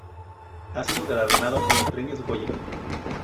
Ha sido galardonado en los Premios Goya.